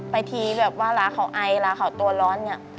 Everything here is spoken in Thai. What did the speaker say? ไปทีแบบว่าราเขาไอราเขาตัวร้อน